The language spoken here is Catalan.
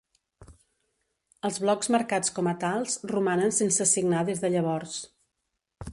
Els blocs marcats com a tals, romanen sense assignar des de llavors.